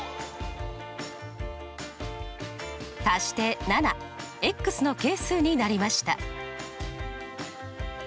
足して７。の係数になりました。